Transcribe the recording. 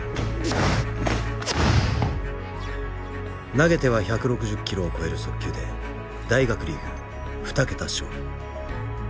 投げては１６０キロを超える速球で大学リーグ２桁勝利。